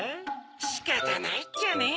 しかたないっちゃね。